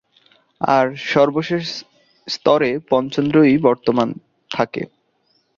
আর সর্বশেষ স্তরে পঞ্চেন্দ্রিয়ের সবই বর্তমান থাকে।